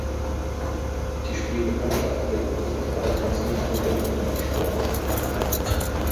Die Spielgemeinschaft widmet sich allerdings nicht nur dem Handballsport.